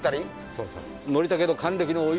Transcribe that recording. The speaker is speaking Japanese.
そうそう。